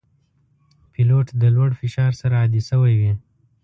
پیلوټ د لوړ فشار سره عادي شوی وي.